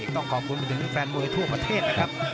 ต้องขอบคุณไปถึงแฟนมวยทั่วประเทศนะครับ